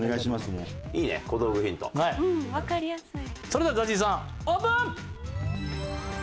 それではＺＡＺＹさんオープン！